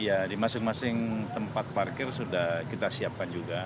iya di masing masing tempat parkir sudah kita siapkan juga